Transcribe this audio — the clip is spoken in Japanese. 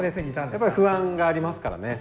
やっぱり不安がありますからね。